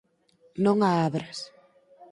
Non a abras.